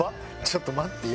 ちょっと待って。